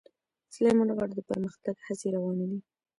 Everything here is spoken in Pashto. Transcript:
سلیمان غر کې د پرمختګ هڅې روانې دي.